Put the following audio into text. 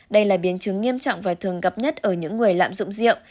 đây là biến chứng nghiêm trọng và thường gặp nhất ở những người lạm dụng rượu